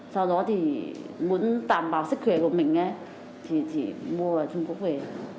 sau đó thì muốn đảm bảo sức khỏe của mình thì chỉ mua ở trung quốc về